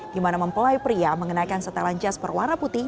di mana mempelai pria mengenakan setelan jas berwarna putih